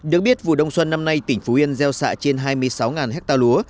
được biết vụ đông xuân năm nay tỉnh phú yên gieo xạ trên hai mươi sáu ha lúa